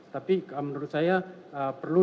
tapi menurut saya perlu